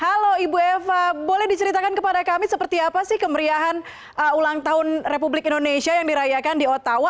halo ibu eva boleh diceritakan kepada kami seperti apa sih kemeriahan ulang tahun republik indonesia yang dirayakan di ottawa